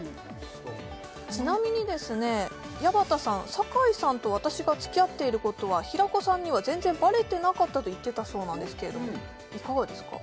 ちなみにですね矢端さん酒井さんと私がつきあっていることは平子さんには全然バレてなかったといってたそうなんですけれどもいかがですか？